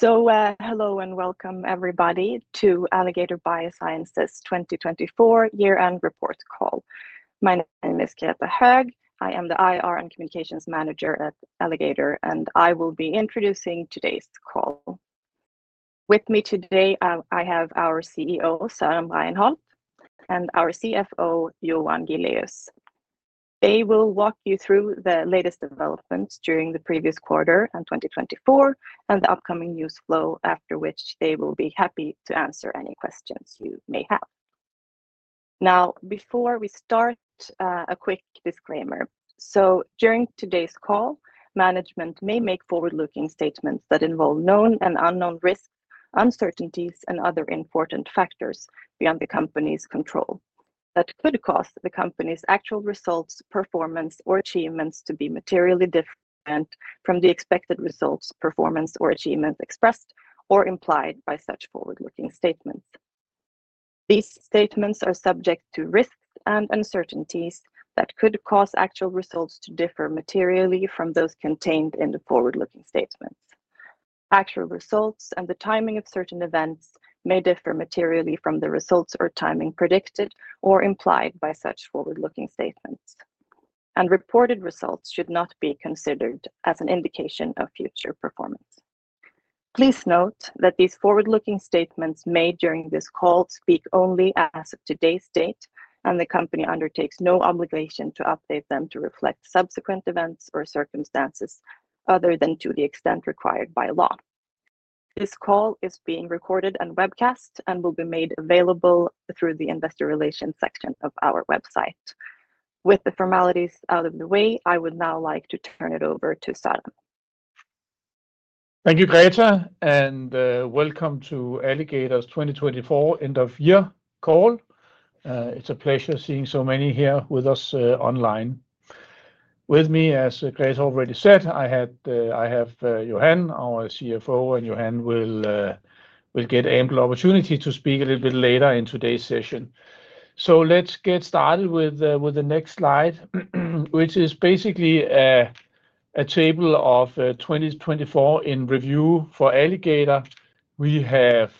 Hello and welcome, everybody, to Alligator Bioscience's 2024 Year-End Report Call. My name is Greta Höög. I am the IR and Communications Manager at Alligator, and I will be introducing today's call. With me today, I have our CEO, Søren Bregenholt, and our CFO, Johan Giléus. They will walk you through the latest developments during the previous quarter and 2024, and the upcoming news flow, after which they will be happy to answer any questions you may have. Now, before we start, a quick disclaimer. During today's call, management may make forward-looking statements that involve known and unknown risks, uncertainties, and other important factors beyond the company's control that could cause the company's actual results, performance, or achievements to be materially different from the expected results, performance, or achievements expressed or implied by such forward-looking statements. These statements are subject to risks and uncertainties that could cause actual results to differ materially from those contained in the forward-looking statements. Actual results and the timing of certain events may differ materially from the results or timing predicted or implied by such forward-looking statements, and reported results should not be considered as an indication of future performance. Please note that these forward-looking statements made during this call speak only as of today's date, and the company undertakes no obligation to update them to reflect subsequent events or circumstances other than to the extent required by law. This call is being recorded and webcast and will be made available through the investor relations section of our website. With the formalities out of the way, I would now like to turn it over to Søren. Thank you, Greta, and welcome to Alligator's 2024 End-of-Year Call. It's a pleasure seeing so many here with us online. With me, as Greta already said, I have Johan, our CFO, and Johan will get ample opportunity to speak a little bit later in today's session. So, let's get started with the next slide, which is basically a table of 2024 in review for Alligator. We have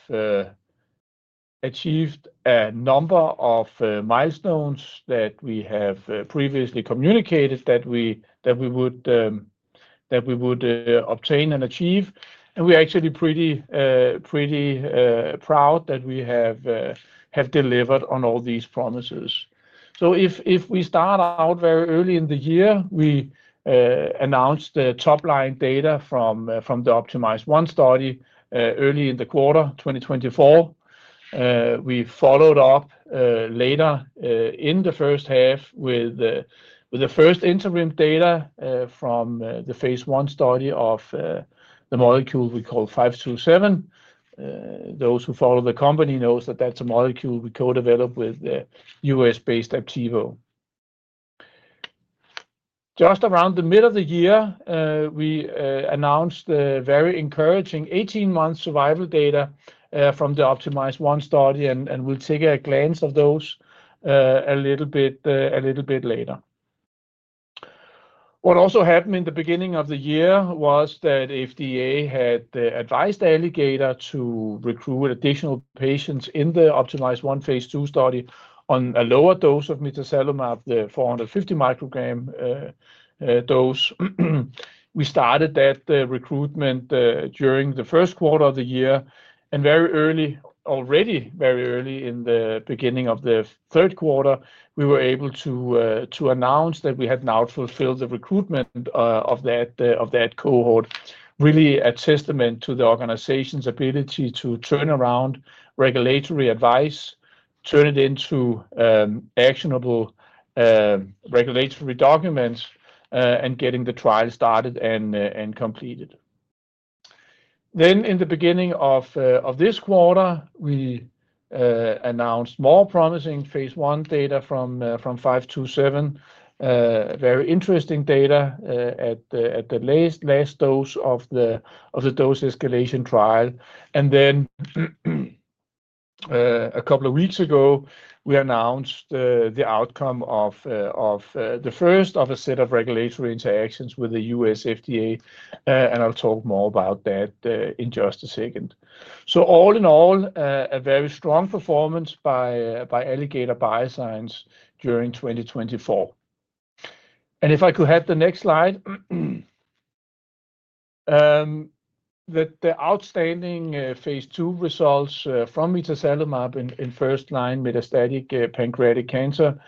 achieved a number of milestones that we have previously communicated that we would obtain and achieve, and we're actually pretty proud that we have delivered on all these promises. So, if we start out very early in the year, we announced the top-line data from the OPTIMIZE-1 study early in the quarter 2024. We followed up later in the first half with the first interim data from the phase I study of the molecule we call 527. Those who follow the company know that that's a molecule we co-developed with the U.S.-based Aptevo. Just around the middle of the year, we announced very encouraging 18-month survival data from the OPTIMIZE-1 study, and we'll take a glance at those a little bit later. What also happened in the beginning of the year was that the FDA had advised Alligator to recruit additional patients in the OPTIMIZE-1 phase II study on a lower dose of mitazalimab at the 450 microgram dose. We started that recruitment during the first quarter of the year, and very early, already very early in the beginning of the third quarter, we were able to announce that we had now fulfilled the recruitment of that cohort, really a testament to the organization's ability to turn around regulatory advice, turn it into actionable regulatory documents, and get the trial started and completed. Then, in the beginning of this quarter, we announced more promising phase one data from 527, very interesting data at the last dose of the dose escalation trial. And then, a couple of weeks ago, we announced the outcome of the first of a set of regulatory interactions with the U.S. FDA, and I'll talk more about that in just a second. So, all in all, a very strong performance by Alligator Bioscience during 2024. And if I could have the next slide. The outstanding phase two results from mitazalimab in first-line metastatic pancreatic cancer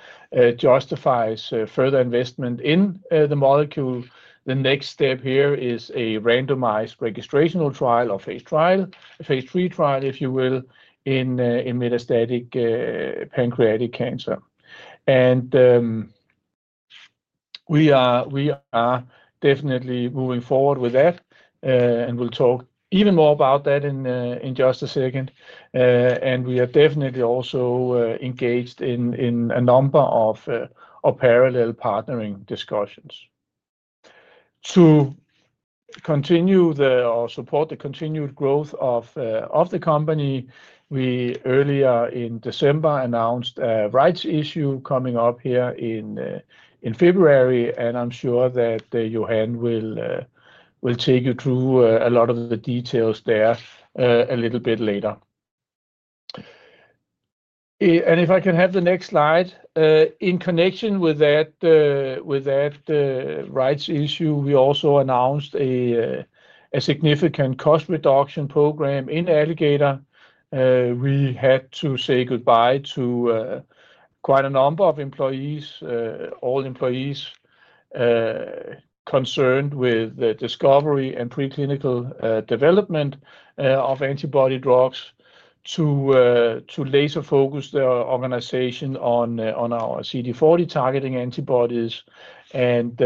justifies further investment in the molecule. The next step here is a randomized registrational trial or phase trial, phase three trial, if you will, in metastatic pancreatic cancer. And we are definitely moving forward with that, and we'll talk even more about that in just a second. We are definitely also engaged in a number of parallel partnering discussions. To continue or support the continued growth of the company, we earlier in December announced a rights issue coming up here in February, and I'm sure that Johan will take you through a lot of the details there a little bit later. If I can have the next slide. In connection with that rights issue, we also announced a significant cost reduction program in Alligator. We had to say goodbye to quite a number of employees, all employees concerned with the discovery and preclinical development of antibody drugs to laser-focus the organization on our CD40 targeting antibodies and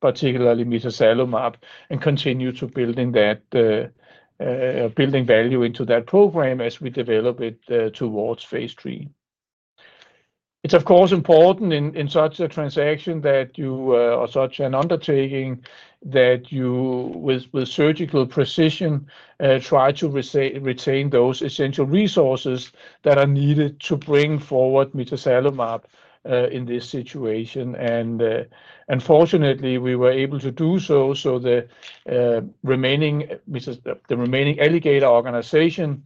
particularly mitazalimab and continue to build value into that program as we develop it towards phase III. It's, of course, important in such a transaction or such an undertaking that you, with surgical precision, try to retain those essential resources that are needed to bring forward mitazalimab in this situation. Unfortunately, we were able to do so. The remaining Alligator organization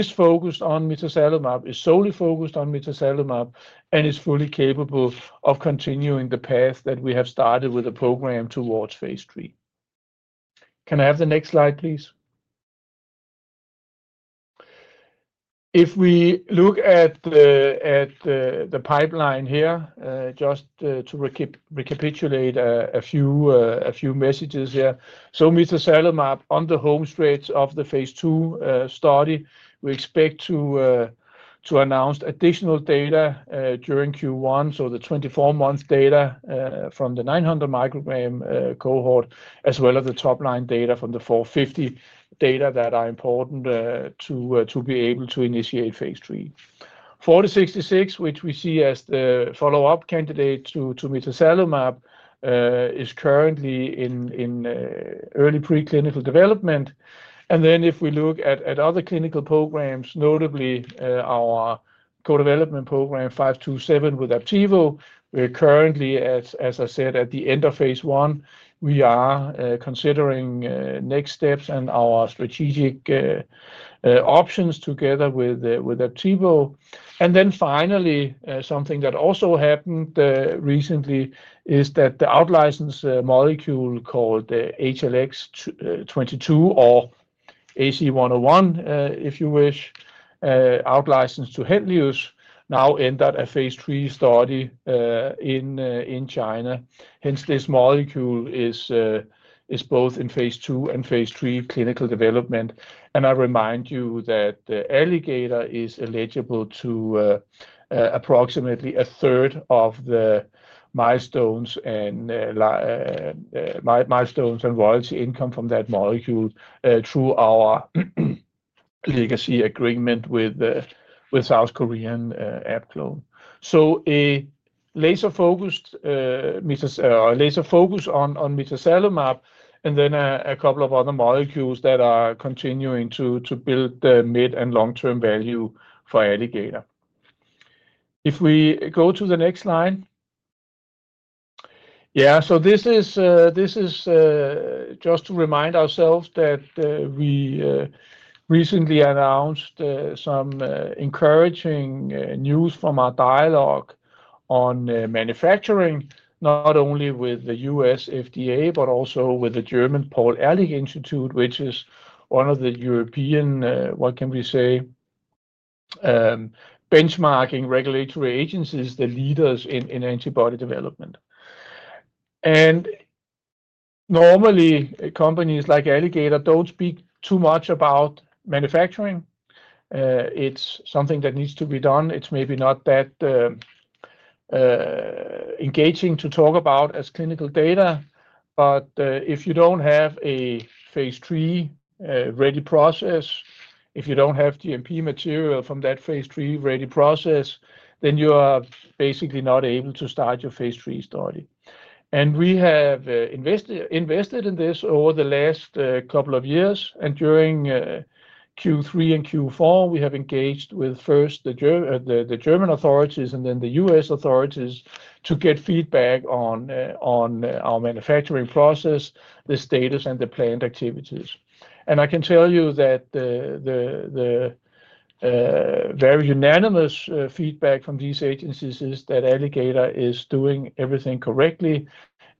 is focused on mitazalimab, is solely focused on mitazalimab, and is fully capable of continuing the path that we have started with the program towards phase III. Can I have the next slide, please? If we look at the pipeline here, just to recapitulate a few messages here. Mitazalimab on the home stretch of the phase II study, we expect to announce additional data during Q1, so the 24-month data from the 900-microgram cohort, as well as the top-line data from the 450 data that are important to be able to initiate phase III. 4066, which we see as the follow-up candidate to mitazalimab, is currently in early preclinical development, and then, if we look at other clinical programs, notably our co-development program 527 with Aptevo, we're currently, as I said, at the end of phase I. We are considering next steps and our strategic options together with Aptevo, and then finally, something that also happened recently is that the outlicensed molecule called HLX-22 or AC101, if you wish, outlicensed to Henlius, now ended a phase III study in China. Hence, this molecule is both in phase II and phase III clinical development, and I remind you that Alligator is eligible to approximately a third of the milestones and royalty income from that molecule through our legacy agreement with South Korean AbClon. A laser-focused mitazalimab and then a couple of other molecules that are continuing to build the mid and long-term value for Alligator. If we go to the next slide. Yeah, so this is just to remind ourselves that we recently announced some encouraging news from our dialogue on manufacturing, not only with the U.S. FDA, but also with the German Paul-Ehrlich-Institut, which is one of the European, what can we say, benchmarking regulatory agencies, the leaders in antibody development. Normally, companies like Alligator don't speak too much about manufacturing. It's something that needs to be done. It's maybe not that engaging to talk about as clinical data, but if you don't have a phase III ready process, if you don't have GMP material from that phase III ready process, then you are basically not able to start your phase III study. We have invested in this over the last couple of years. During Q3 and Q4, we have engaged with first the German authorities and then the U.S. authorities to get feedback on our manufacturing process, the status, and the planned activities. I can tell you that the very unanimous feedback from these agencies is that Alligator is doing everything correctly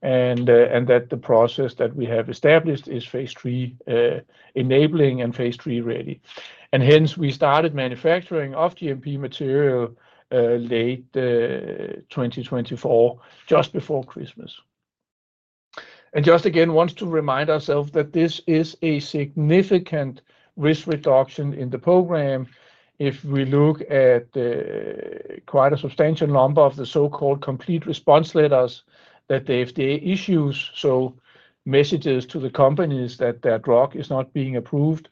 and that the process that we have established is phase III enabling and phase III ready. Hence, we started manufacturing of GMP material late 2024, just before Christmas. Just again, wants to remind ourselves that this is a significant risk reduction in the program. If we look at quite a substantial number of the so-called complete response letters that the FDA issues, so messages to the companies that their drug is not being approved,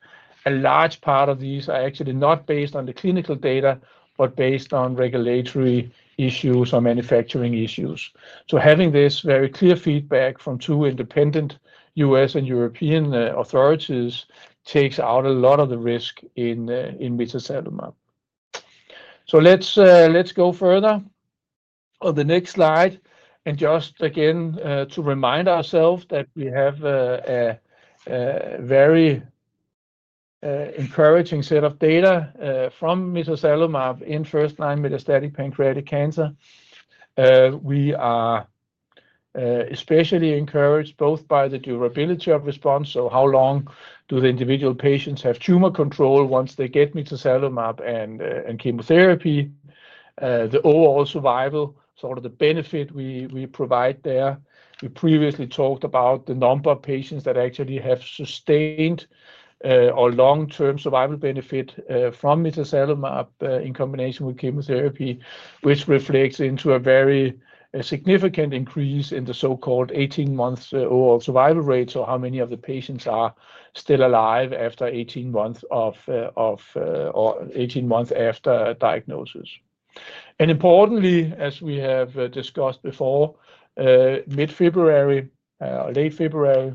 a large part of these are actually not based on the clinical data, but based on regulatory issues or manufacturing issues, so having this very clear feedback from two independent U.S. and European authorities takes out a lot of the risk in mitazalimab, so let's go further on the next slide, and just again, to remind ourselves that we have a very encouraging set of data from mitazalimab in first-line metastatic pancreatic cancer. We are especially encouraged both by the durability of response, so how long do the individual patients have tumor control once they get mitazalimab and chemotherapy, the overall survival, sort of the benefit we provide there. We previously talked about the number of patients that actually have sustained or long-term survival benefit from mitazalimab in combination with chemotherapy, which reflects into a very significant increase in the so-called 18-month survival rate, so how many of the patients are still alive after 18 months or 18 months after diagnosis, and importantly, as we have discussed before, mid-February or late February,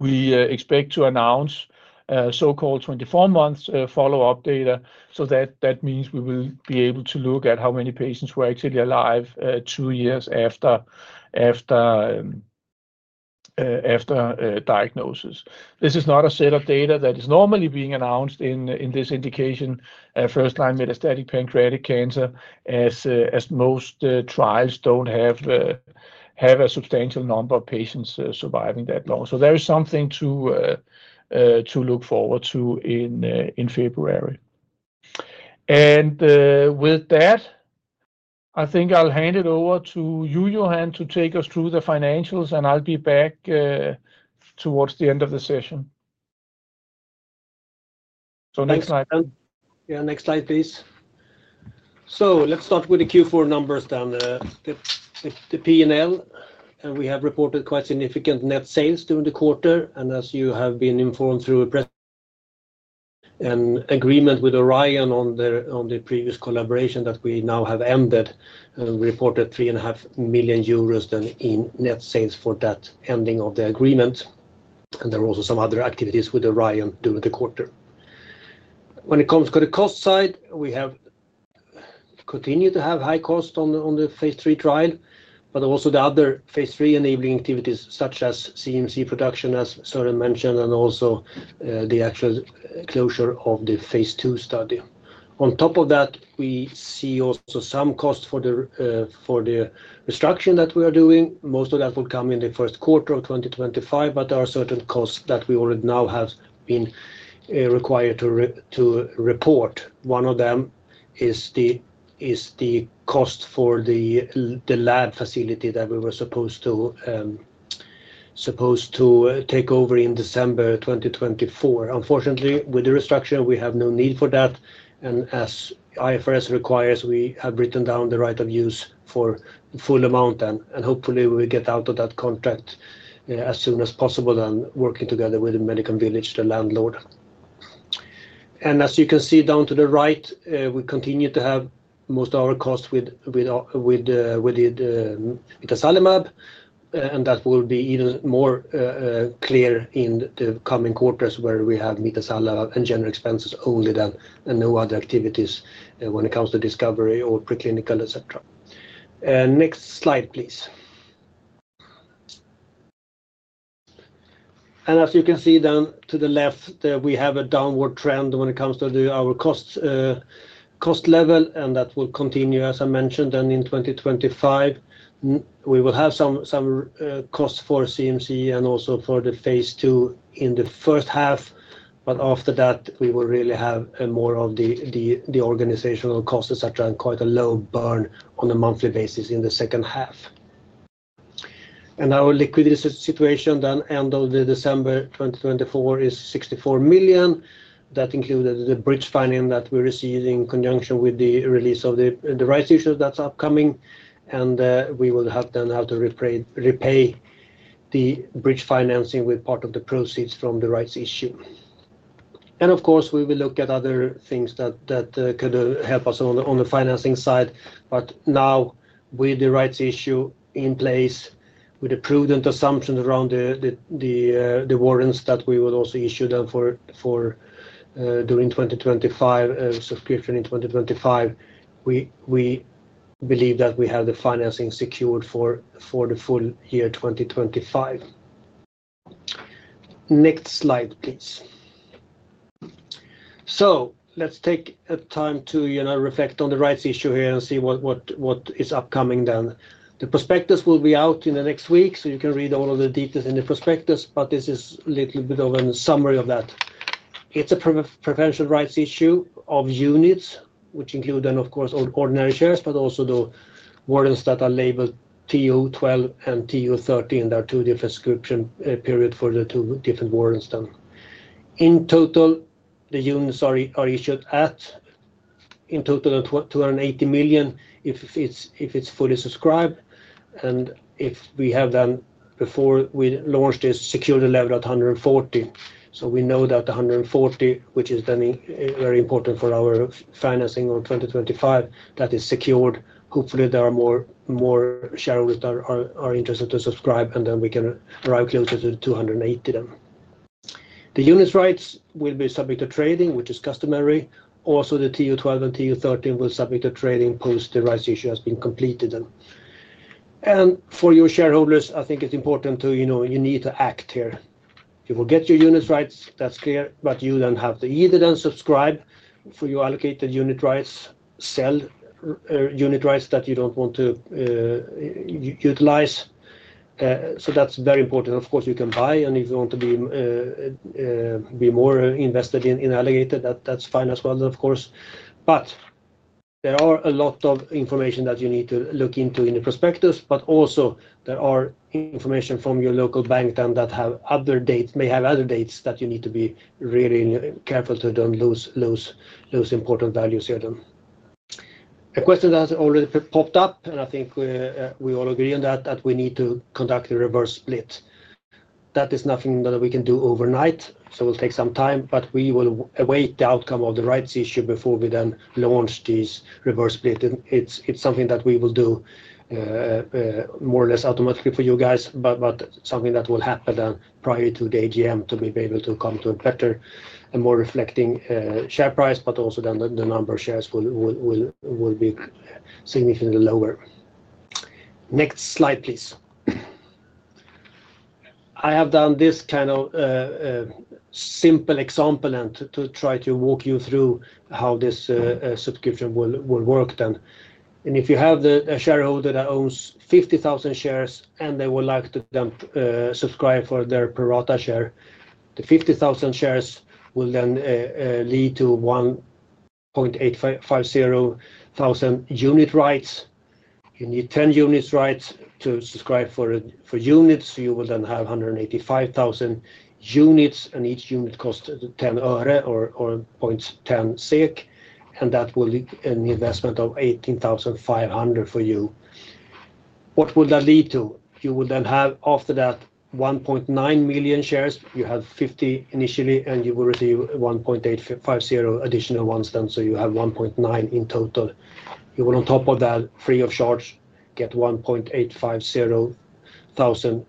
we expect to announce so-called 24-month follow-up data, so that means we will be able to look at how many patients were actually alive two years after diagnosis. This is not a set of data that is normally being announced in this indication of first-line metastatic pancreatic cancer, as most trials don't have a substantial number of patients surviving that long, so there is something to look forward to in February. With that, I think I'll hand it over to you, Johan, to take us through the financials, and I'll be back towards the end of the session. Next slide. Yeah, next slide, please. Let's start with the Q4 numbers then. The P&L. We have reported quite significant net sales during the quarter. As you have been informed through an agreement with Orion on the previous collaboration that we now have ended, we reported 3.5 million euros then in net sales for that ending of the agreement. There were also some other activities with Orion during the quarter. When it comes to the cost side, we have continued to have high cost on the phase III trial, but also the other phase III enabling activities such as CMC production, as Søren mentioned, and also the actual closure of the phase II study. On top of that, we see also some cost for the restructuring that we are doing. Most of that will come in the first quarter of 2025, but there are certain costs that we already now have been required to report. One of them is the cost for the lab facility that we were supposed to take over in December 2024. Unfortunately, with the restructuring, we have no need for that. And as IFRS requires, we have written down the right of use for full amount, and hopefully, we will get out of that contract as soon as possible, working together with the Medicon Village, the landlord. As you can see down to the right, we continue to have most of our costs with mitazalimab, and that will be even more clear in the coming quarters where we have mitazalimab and general expenses only then and no other activities when it comes to discovery or preclinical, etc. Next slide, please. As you can see then to the left, we have a downward trend when it comes to our cost level, and that will continue, as I mentioned, then in 2025. We will have some costs for CMC and also for the phase II in the first half, but after that, we will really have more of the organizational costs, etc., and quite a low burn on a monthly basis in the second half. Our liquidity situation then end of December 2024 is 64 million. That included the bridge finance that we received in conjunction with the release of the rights issue that's upcoming, and we will then have to repay the bridge financing with part of the proceeds from the rights issue. And of course, we will look at other things that could help us on the financing side, but now with the rights issue in place, with the prudent assumptions around the warrants that we will also issue then for during 2025, subscription in 2025, we believe that we have the financing secured for the full year 2025. Next slide, please, so let's take time to reflect on the rights issue here and see what is upcoming then. The prospectus will be out in the next week, so you can read all of the details in the prospectus, but this is a little bit of a summary of that. It's a preferential rights issue of units, which include then, of course, ordinary shares, but also the warrants that are labeled TO 12 and TO 13. There are two different subscription periods for the two different warrants then. In total, the units are issued at in total of 280 million if it's fully subscribed. And if we have then before we launched this, secured the level at 140 million. So, we know that 140 million, which is then very important for our financing of 2025, that is secured. Hopefully, there are more shareholders that are interested to subscribe, and then we can arrive closer to 280 million then. The unit rights will be subject to trading, which is customary. Also, the TO 12 and TO 13 will subject to trading post the rights issue has been completed then. And for your shareholders, I think it's important to you need to act here. You will get your unit rights, that's clear, but you then have to either subscribe for your allocated unit rights, sell unit rights that you don't want to utilize, so that's very important. Of course, you can buy, and if you want to be more invested in Alligator, that's fine as well, of course. But there are a lot of information that you need to look into in the prospectus, but also there are information from your local bank then that may have other dates that you need to be really careful to don't lose important values here. A question that has already popped up, and I think we all agree on that we need to conduct a reverse split. That is nothing that we can do overnight, so it will take some time, but we will await the outcome of the rights issue before we then launch this reverse split. It's something that we will do more or less automatically for you guys, but something that will happen then prior to the AGM to be able to come to a better and more reflecting share price, but also then the number of shares will be significantly lower. Next slide, please. I have done this kind of simple example to try to walk you through how this subscription will work then. If you have a shareholder that owns 50,000 shares and they would like to then subscribe for their pro rata share, the 50,000 shares will then lead to 1,850,000 unit rights. You need 10 unit rights to subscribe for units, so you will then have 185,000 units, and each unit costs 10 or 0.10 SEK, and that will be an investment of 18,500 for you. What will that lead to? You will then have after that 1.9 million shares. You have 50 initially, and you will receive 1,850 additional ones then, so you have 1.9 million in total. You will, on top of that, free of charge, get 1,850,000 TO 12 and 925,000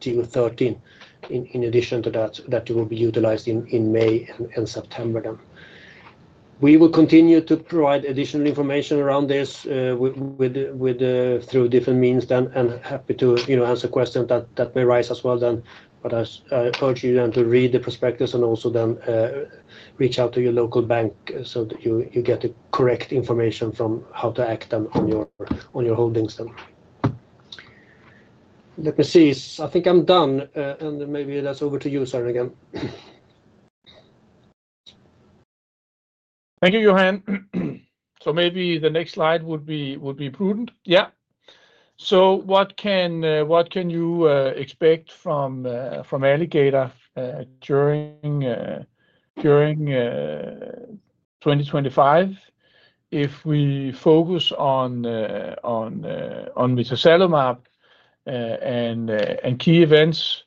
TO 13 in addition to that that you will be utilized in May and September then. We will continue to provide additional information around this through different means then, and happy to answer questions that may arise as well then. But I urge you then to read the prospectus and also then reach out to your local bank so that you get the correct information from how to act on your holdings then. Let me see. I think I'm done, and maybe that's over to you, Søren, again. Thank you, Johan. So maybe the next slide would be prudent. Yeah. So what can you expect from Alligator during 2025 if we focus on mitazalimab and key events?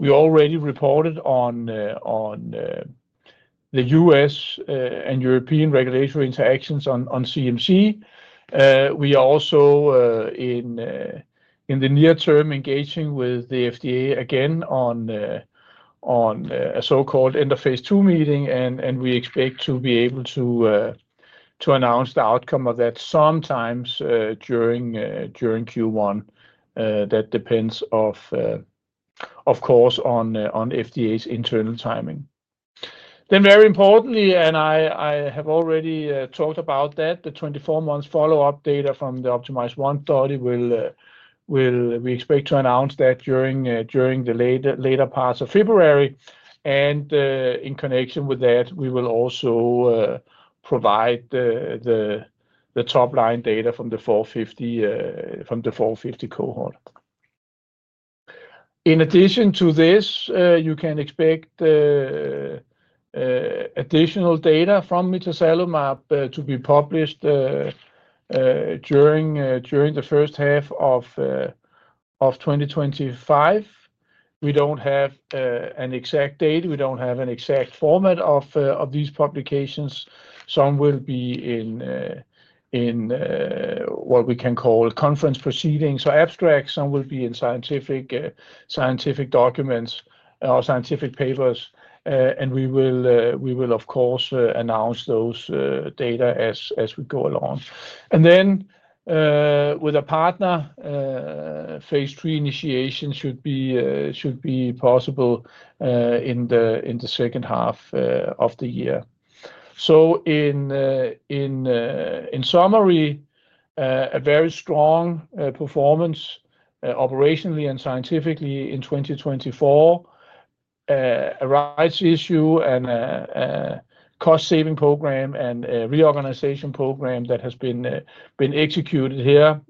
We already reported on the U.S. and European regulatory interactions on CMC. We are also in the near term engaging with the FDA again on a so-called end of phase II meeting, and we expect to be able to announce the outcome of that sometimes during Q1. That depends, of course, on FDA's internal timing. Very importantly, and I have already talked about that, the 24-month follow-up data from the OPTIMIZE-1 study we expect to announce during the later parts of February. In connection with that, we will also provide the top-line data from the 450 cohort. In addition to this, you can expect additional data from mitazalimab to be published during the first half of 2025. We don't have an exact date. We don't have an exact format of these publications. Some will be in what we can call conference proceedings, so abstracts. Some will be in scientific documents or scientific papers. We will, of course, announce those data as we go along. With a partner, phase III initiation should be possible in the second half of the year. So, in summary, a very strong performance operationally and scientifically in 2024, a rights issue and a cost-saving program and reorganization program that has been executed here,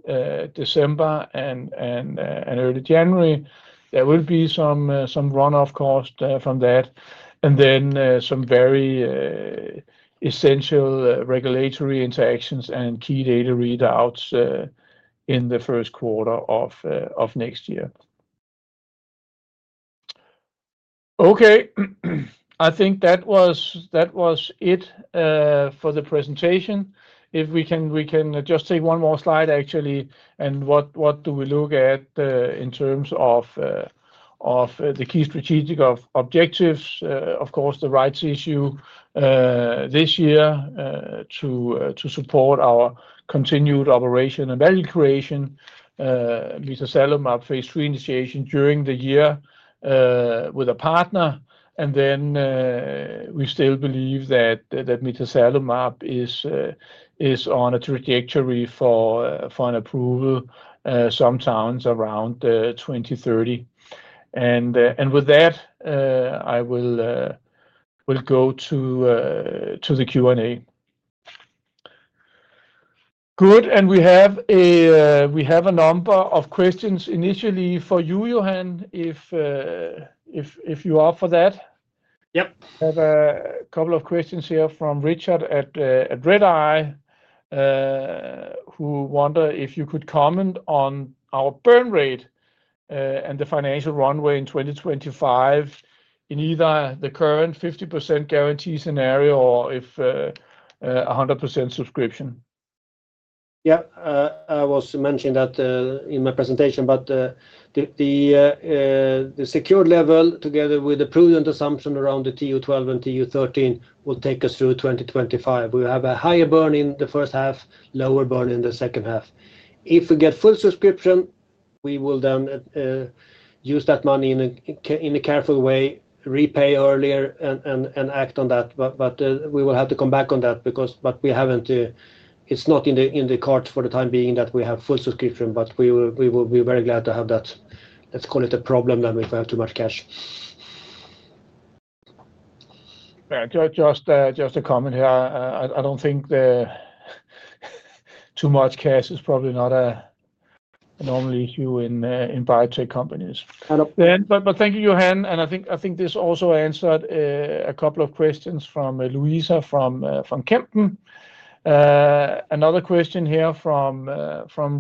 December and early January. There will be some runoff cost from that, and then some very essential regulatory interactions and key data readouts in the first quarter of next year. Okay. I think that was it for the presentation. If we can just take one more slide, actually, and what do we look at in terms of the key strategic objectives, of course, the rights issue this year to support our continued operation and value creation, mitazalimab phase III initiation during the year with a partner. And then we still believe that mitazalimab is on a trajectory for an approval sometime around 2030. And with that, I will go to the Q&A. Good. And we have a number of questions initially for you, Johan, if you're up for that. Yep. We have a couple of questions here from Richard at Redeye, who wonder if you could comment on our burn rate and the financial runway in 2025 in either the current 50% guarantee scenario or if 100% subscription. Yeah. I was mentioning that in my presentation, but the secured level, together with the prudent assumption around the TO 12 and TO 13, will take us through 2025. We will have a higher burn in the first half, lower burn in the second half. If we get full subscription, we will then use that money in a careful way, repay earlier, and act on that. But we will have to come back on that because we haven't. It's not in the cards for the time being that we have full subscription, but we will be very glad to have that. Let's call it a problem that we have too much cash. Just a comment here. I don't think too much cash is probably not a normal issue in biotech companies. But thank you, Johan. And I think this also answered a couple of questions from Luisa from Kempen. Another question here from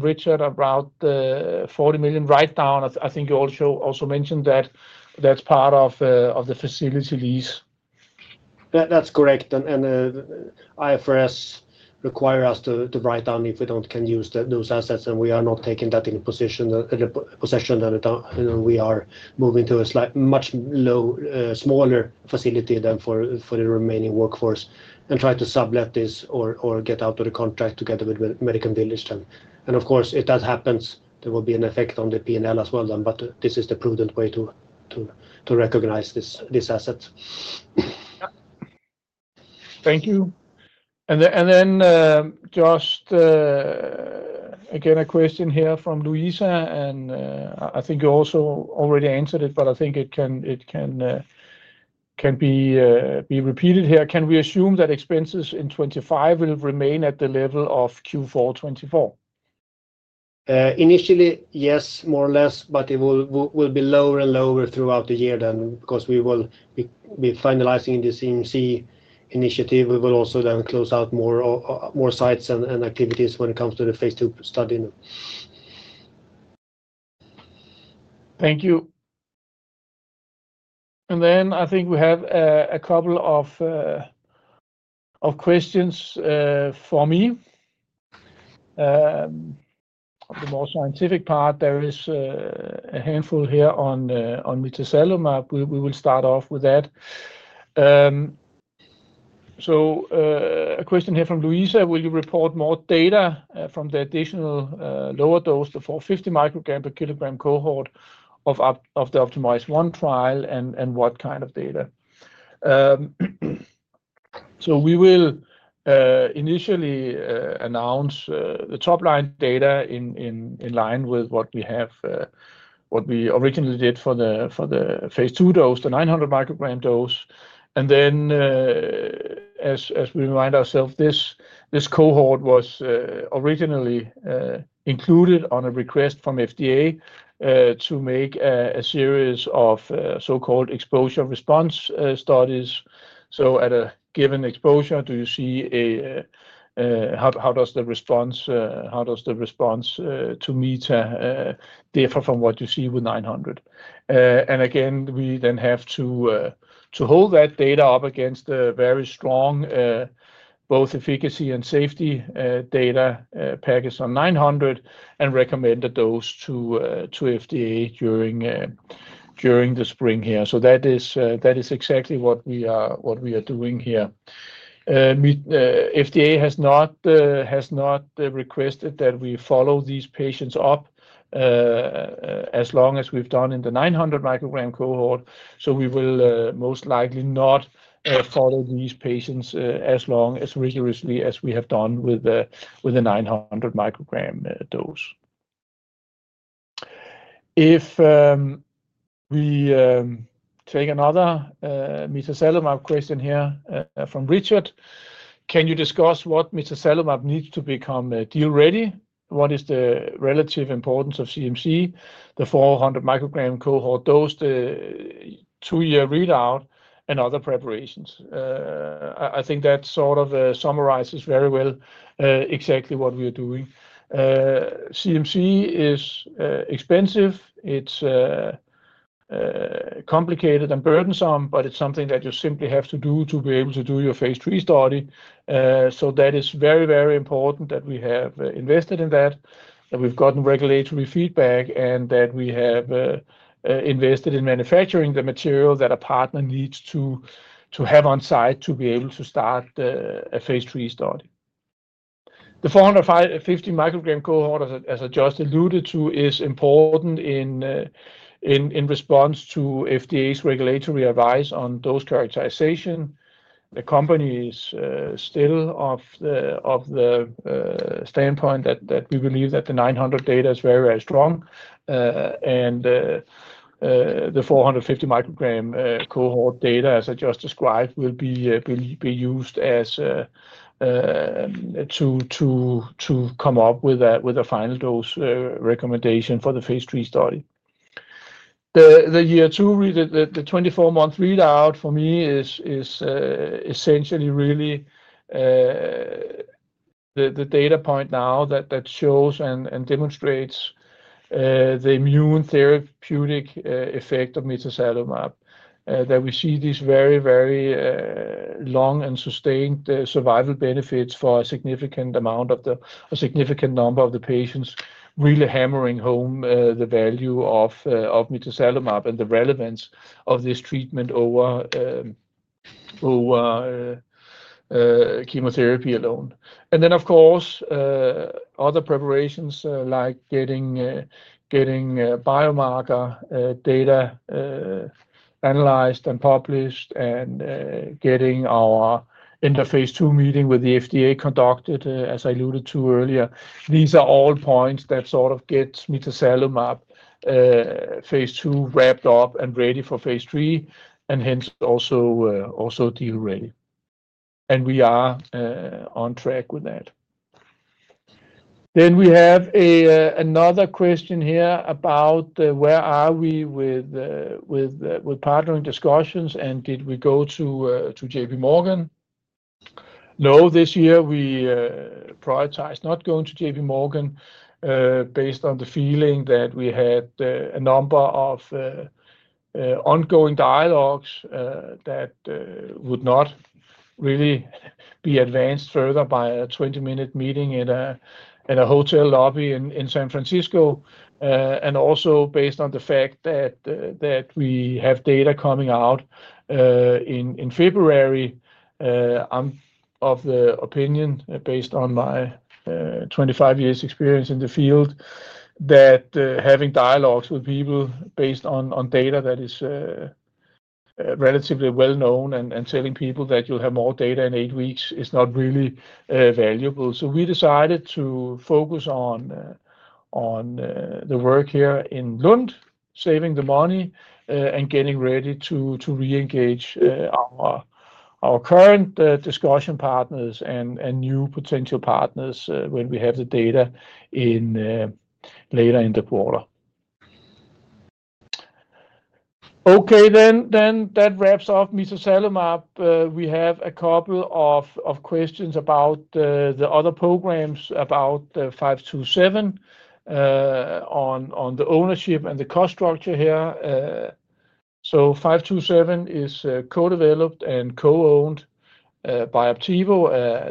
Richard about the 40 million write-down. I think you also mentioned that that's part of the facility lease. That's correct. And IFRS requires us to write down if we can't use those assets, and we are not taking that in possession. We are moving to a much smaller facility than for the remaining workforce and try to sublet this or get out of the contract together with Medicon Village. And of course, if that happens, there will be an effect on the P&L as well then, but this is the prudent way to recognize these assets. Thank you. And then just again, a question here from Luisa, and I think you also already answered it, but I think it can be repeated here. Can we assume that expenses in 2025 will remain at the level of Q4 2024? Initially, yes, more or less, but it will be lower and lower throughout the year then because we will be finalizing this CMC initiative. We will also then close out more sites and activities when it comes to the phase II study. Thank you. And then I think we have a couple of questions for me. On the more scientific part, there is a handful here on mitazalimab. We will start off with that. So a question here from Luisa. Will you report more data from the additional lower dose, the 450 microgram per kilogram cohort of the OPTIMIZE-1 trial, and what kind of data? So we will initially announce the top-line data in line with what we originally did for the phase II dose, the 900 microgram dose. And then, as we remind ourselves, this cohort was originally included on a request from FDA to make a series of so-called exposure response studies. So at a given exposure, do you see how does the response, how does the response to mitazalimab differ from what you see with 900? And again, we then have to hold that data up against the very strong both efficacy and safety data package on 900 and recommend the dose to FDA during the spring here. So that is exactly what we are doing here. FDA has not requested that we follow these patients up as long as we've done in the 900 microgram cohort, so we will most likely not follow these patients as rigorously as we have done with the 900 microgram dose. If we take another mitazalimab question here from Richard, can you discuss what mitazalimab needs to become deal-ready? What is the relative importance of CMC, the 400 microgram cohort dose, the two-year readout, and other preparations? I think that sort of summarizes very well exactly what we are doing. CMC is expensive. It's complicated and burdensome, but it's something that you simply have to do to be able to do your phase III study. So that is very, very important that we have invested in that, that we've gotten regulatory feedback, and that we have invested in manufacturing the material that a partner needs to have on site to be able to start a phase III study. The 450 microgram cohort, as I just alluded to, is important in response to FDA's regulatory advice on dose characterization. The company is still of the standpoint that we believe that the 900 data is very, very strong, and the 450 microgram cohort data, as I just described, will be used to come up with a final dose recommendation for the phase III study. The Year 2, the 24-month readout, for me, is essentially really the data point now that shows and demonstrates the immune therapeutic effect of mitazalimab that we see these very, very long and sustained survival benefits for a significant number of the patients really hammering home the value of mitazalimab and the relevance of this treatment over chemotherapy alone, and then, of course, other preparations like getting biomarker data analyzed and published and getting our end of phase II meeting with the FDA conducted, as I alluded to earlier. These are all points that sort of get mitazalimab phase II wrapped up and ready for phase III, and hence also deal-ready, and we are on track with that, then we have another question here about where are we with partnering discussions, and did we go to JPMorgan? No, this year we prioritized not going to JPMorgan based on the feeling that we had a number of ongoing dialogues that would not really be advanced further by a 20-minute meeting in a hotel lobby in San Francisco. And also based on the fact that we have data coming out in February, I'm of the opinion, based on my 25 years' experience in the field, that having dialogues with people based on data that is relatively well-known and telling people that you'll have more data in eight weeks is not really valuable. So we decided to focus on the work here in Lund, saving the money and getting ready to re-engage our current discussion partners and new potential partners when we have the data later in the quarter. Okay, then that wraps up mitazalimab. We have a couple of questions about the other programs about 527 on the ownership and the cost structure here, so 527 is co-developed and co-owned by Aptevo,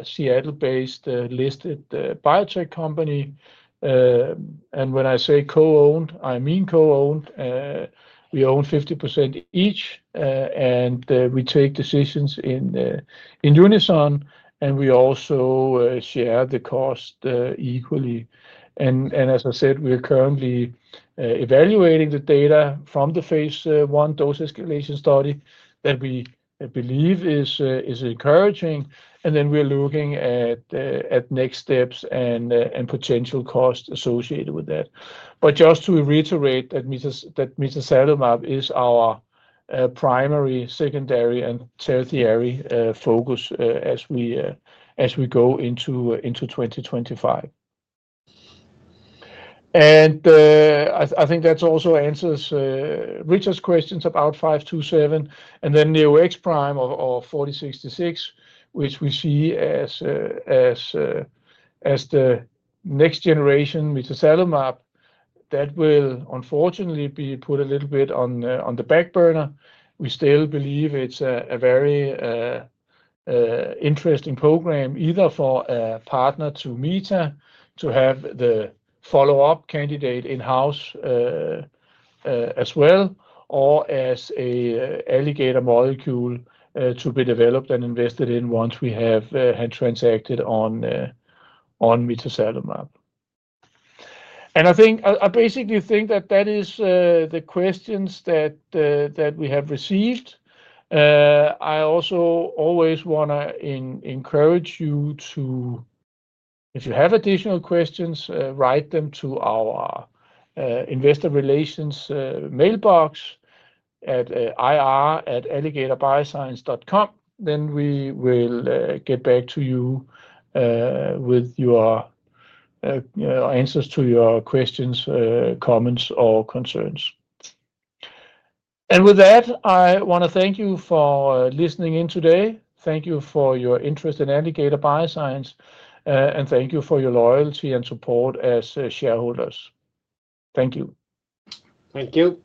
a Seattle-based listed biotech company. And when I say co-owned, I mean co-owned. We own 50% each, and we take decisions in unison, and we also share the cost equally. And as I said, we are currently evaluating the data from the phase I dose escalation study that we believe is encouraging. And then we're looking at next steps and potential costs associated with that, but just to reiterate that mitazalimab is our primary, secondary, and tertiary focus as we go into 2025. And I think that also answers Richard's questions about 527 and then Neo-X-Prime or 4066, which we see as the next generation mitazalimab that will unfortunately be put a little bit on the back burner. We still believe it's a very interesting program either for a partner to mitazalimab to have the follow-up candidate in-house as well or as an Alligator molecule to be developed and invested in once we have transacted on mitazalimab. I basically think that that is the questions that we have received. I also always want to encourage you to, if you have additional questions, write them to our investor relations mailbox at ir@alligatorbioscience.com. We will get back to you with your answers to your questions, comments, or concerns. With that, I want to thank you for listening in today. Thank you for your interest in Alligator Bioscience, and thank you for your loyalty and support as shareholders. Thank you. Thank you.